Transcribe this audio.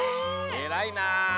えらいな。